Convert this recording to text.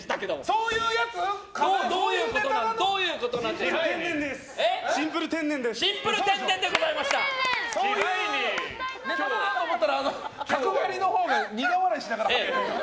そういうネタかなと思ったら角刈りのほうが苦笑いしながら。